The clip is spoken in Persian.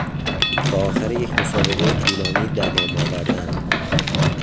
تا آخر یک مسابقهی طولانی دوام آوردن